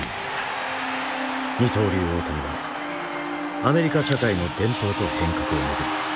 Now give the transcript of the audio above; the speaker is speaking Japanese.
二刀流大谷はアメリカ社会の伝統と変革を巡り